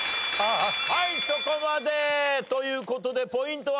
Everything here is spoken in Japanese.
はいそこまで！という事でポイントは？